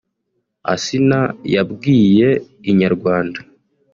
Asinah yabwiye Inyarwanda